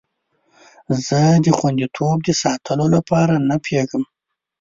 زه د خوندیتوب د ساتلو لپاره نه پوهیږم.